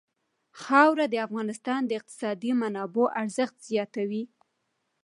خاوره د افغانستان د اقتصادي منابعو ارزښت زیاتوي.